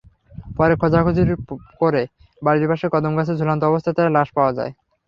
পরে খোঁজাখুঁজি করে বাড়ির পাশের কদমগাছে ঝুলন্ত অবস্থায় তাঁর লাশ পাওয়া যায়।